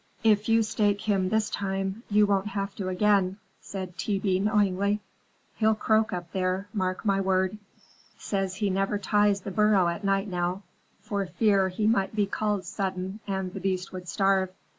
"If you stake him this time, you won't have to again," said T. B. knowingly. "He'll croak up there, mark my word. Says he never ties the burro at night now, for fear he might be called sudden, and the beast would starve.